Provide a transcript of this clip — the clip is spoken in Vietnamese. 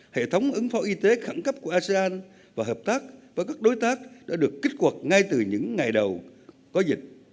hệ thống ứng phó y tế khẳng cấp của asean và hợp tác với các đối tác đã được kích hoạt ngay từ những ngày đầu có dịch